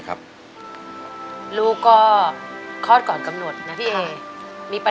แข็งรักครับ